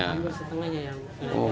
ya menonjol setengahnya yang